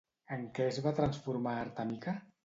En què es va transformar Artemica?